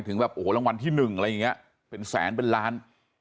ถึงแบบโอ้โหรางวัลที่๑อะไรอย่างนี้เป็นแสนเป็นล้าน